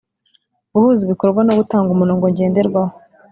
Guhuza ibikorwa no gutanga umurongo ngenderwaho